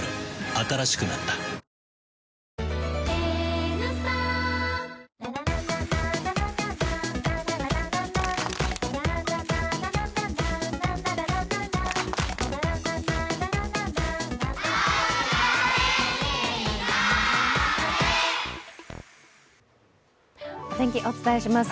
新しくなった天気、お伝えします。